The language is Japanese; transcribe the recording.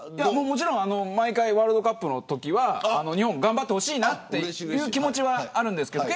もちろん、毎回ワールドカップのときは日本、頑張ってほしいなという気持ちはあります。